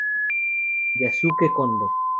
Yusuke Kondo